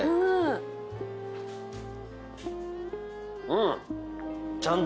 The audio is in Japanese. うん。